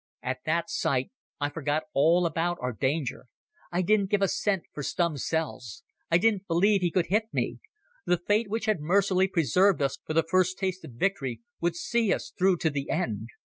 At that sight I forgot all about our danger. I didn't give a cent for Stumm's shells. I didn't believe he could hit me. The fate which had mercifully preserved us for the first taste of victory would see us through to the end.